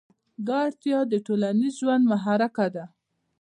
دا اړتیا د ټولنیز ژوند محرکه ده.